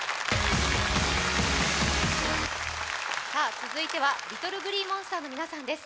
続いてはＬｉｔｔｌｅＧｌｅｅＭｏｎｓｔｅｒの皆さんです